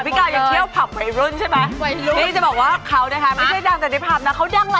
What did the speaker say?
พี่น้องร้องนิดนึงเนี่ยนะไม่ได้เอาหักค่ะ